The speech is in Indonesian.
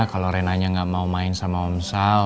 kalau renanya gak mau main sama omsal